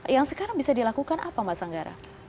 yang sekarang bisa dilakukan apa mas anggara